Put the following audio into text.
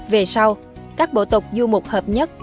về sau các bộ tục du mục hợp nhất